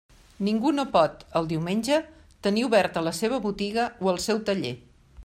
Ningú no pot, el diumenge, tenir oberta la seva botiga o el seu taller.